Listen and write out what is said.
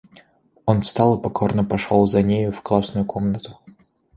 Он встал и покорно пошел за нею в классную комнату.